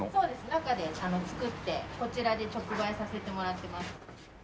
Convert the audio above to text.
中で作ってこちらで直売させてもらってます。